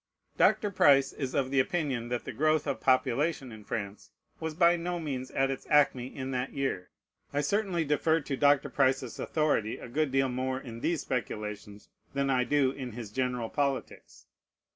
Dr. Price is of opinion that the growth of population in France was by no means at its acme in that year. I certainly defer to Dr. Price's authority a good deal more in these speculations than I do in his general politics.